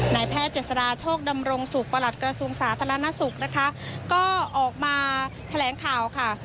นายแพทย์เจษฎาโชคดำรงสุขประหลัดกระทรวงสาธารณสุขนะคะก็ออกมาแถลงข่าวค่ะ